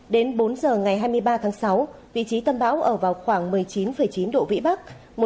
đến bốn giờ ngày hai mươi ba tháng sáu vị trí tâm bão ở vào khoảng một mươi chín chín độ vĩ bắc một trăm một mươi tám độ kinh đông